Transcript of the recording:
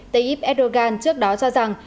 tayyip erdogan trước đó cho rằng